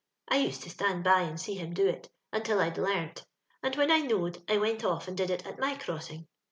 " I used to stand by and see him do it, imtil I'd learnt, and wlien I kuowed, I went off and did it at my crossing.